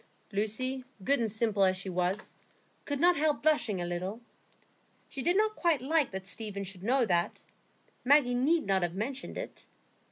Lucy, good and simple as she was, could not help blushing a little. She did not quite like that Stephen should know that; Maggie need not have mentioned it.